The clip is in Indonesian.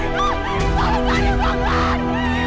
kamu nggak dibakar